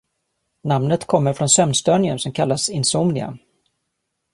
Namnet kommer från sömnstörningen som kallas insomnia.